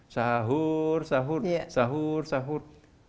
sahur sahur sahur sahur